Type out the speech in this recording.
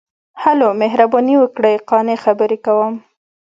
ـ هلو، مهرباني وکړئ، قانع خبرې کوم.